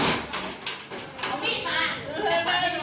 อย่าให้มันเดินเข้ามาอย่างนี้